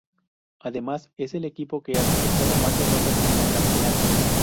Además, es el equipo que ha cosechado más derrotas en una gran final.